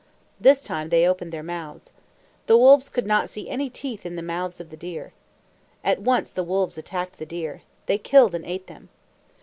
This time they opened their mouths. The wolves could not see any teeth in the mouths of the deer. At once the wolves attacked the deer. They killed and ate them.